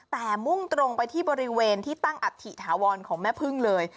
แต่มุ่งตรงไปที่บริเวณที่ตั้งอัฐิถาวรของแม่พึ่งเลย